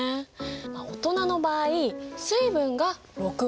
大人の場合水分が６割ぐらい。